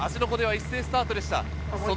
湖では一斉スタートでした。